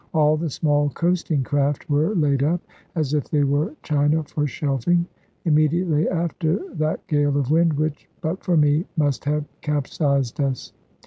All the small coasting craft were laid up, as if they were china for shelfing, immediately after that gale of wind, which (but for me) must have capsized us.